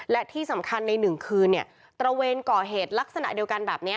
และที่สำคัญในหนึ่งคืนเนี่ยตระเวนก่อเหตุลักษณะเดียวกันแบบนี้